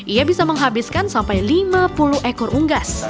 ia bisa menghabiskan sampai lima puluh ekor unggas